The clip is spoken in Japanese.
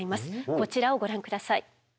こちらをご覧下さい。